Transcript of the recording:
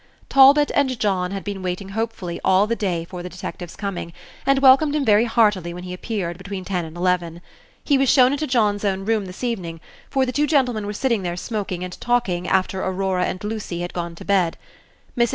Talbot and John had been waiting hopefully all the day for the detective's coming, and welcomed him very heartily when he appeared, between ten and eleven. He was shown into John's own room this evening, for the two gentlemen were sitting there smoking and talking after Aurora and Lucy had gone to bed. Mrs.